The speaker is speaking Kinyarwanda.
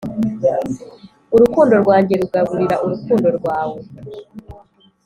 urukundo rwanjye rugaburira urukundo rwawe,